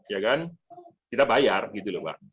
ya kan kita bayar gitu loh mbak